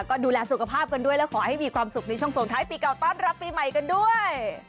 ก็ดูแลสุขภาพกันด้วยแล้วขอให้มีความสุขในช่วงส่งท้ายปีเก่าต้อนรับปีใหม่กันด้วย